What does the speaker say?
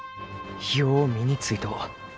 よう身についとう。